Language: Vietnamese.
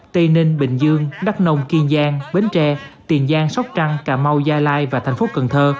tây ninh bình dương đắk nông kiên giang bến tre tiền giang sóc trăng cà mau gia lai và thành phố cần thơ